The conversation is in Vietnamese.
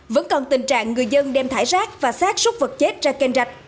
vẫn còn tình trạng người dân đem thải rác và sát xúc vật chết ra kênh rạch